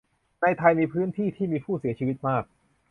ในไทยพื้นที่ที่มีผู้เสียชีวิตมาก